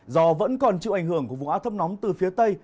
do vẫn còn chịu ảnh hưởng của vùng áp thấp nóng từ phía tây